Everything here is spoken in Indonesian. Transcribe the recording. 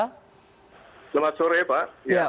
selamat sore pak